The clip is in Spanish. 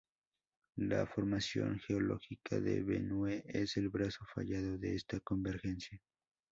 La formación geológica de Benue es el brazo fallado de esta convergencia.